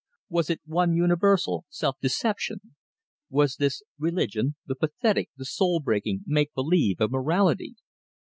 Was it one universal self deception? Was this "religion" the pathetic, the soul breaking make believe of mortality?